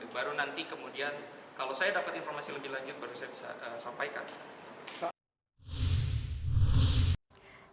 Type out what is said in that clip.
baru nanti kemudian kalau saya dapat informasi lebih lanjut baru saya bisa sampaikan